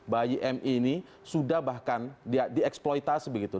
bayi mi ini sudah bahkan dieksploitasi begitu